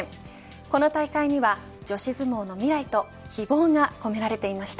この大会には女子相撲の未来と希望が込められていました。